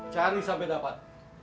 cari sampe dapat